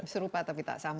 serupa tapi tak sama